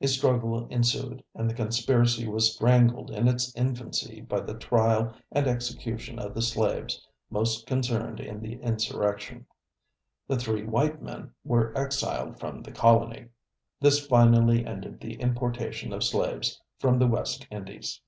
A struggle ensued, and the conspiracy was strangled in its infancy by the trial and execution of the slaves most concerned in the insurrection. The three white men were exiled from the colony. This finally ended the importation of slaves from the West Indies.